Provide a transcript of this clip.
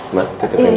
mbak titipin aja